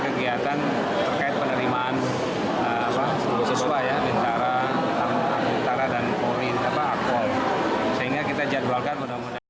kegiatan terkait penerimaan sesuai ya bentara dan polin sehingga kita jadwalkan mudah mudahan